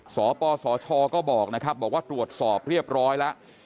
สปสชก็บอกนะครับบอกว่าตรวจสอบเรียบร้อยแล้ว